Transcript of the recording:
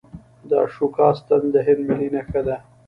د اشوکا ستن د هند ملي نښه ده.